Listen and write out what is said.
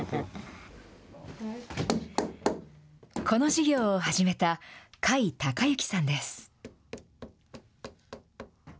この事業を始めた甲斐隆之さんです。